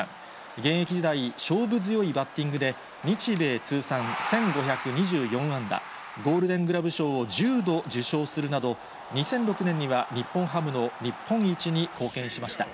現役時代、勝負強いバッティングで、日米通算１５２４安打、ゴールデングラブ賞を１０度受賞するなど、２００６年には日本ハムの日本一に貢献しました。